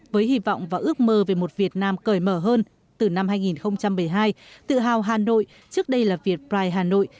với hy vọng và ước mơ về một việt nam cởi mở hơn từ năm hai nghìn bảy mươi hai tự hào hà nội trước đây là việt pride hà nội